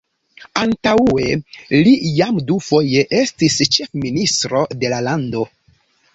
Antaŭe li jam dufoje estis ĉefministro de la lando.